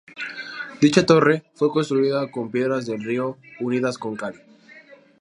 Dicha torre fue construida con piedras del río unidas con cal.